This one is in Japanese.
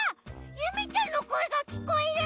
ゆめちゃんのこえがきこえる！